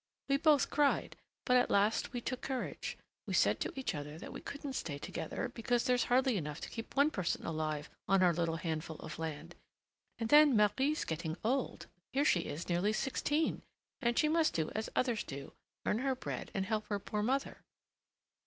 We both cried; but at last we took courage. We said to each other that we couldn't stay together, because there's hardly enough to keep one person alive on our little handful of land; and then Marie's getting old here she is nearly sixteen and she must do as others do, earn her bread and help her poor mother."